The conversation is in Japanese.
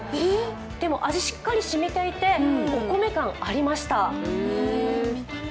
でも味、しっかりしみていてお米感ありました。